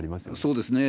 そうですね。